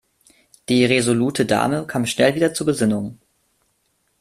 Die resolute Dame kam schnell wieder zur Besinnung.